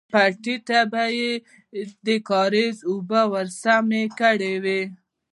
پټي ته به يې د کاريز اوبه ورسمې کړې وې.